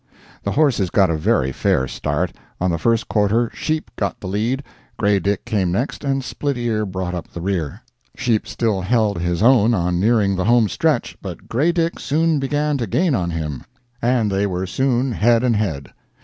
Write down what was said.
The horses got a very fair start; on the first quarter "Sheep" got the lead, "Grey Dick" came next, and "Split ear" brought up the rear. "Sheep" still held his own on nearing the home stretch, but "Grey Dick" soon began to gain on him, and they were soon head and head.